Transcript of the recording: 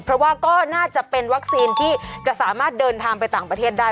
เพราะว่าก็น่าจะเป็นวัคซีนที่จะสามารถเดินทางไปต่างประเทศได้